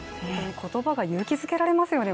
言葉が勇気づけられますよね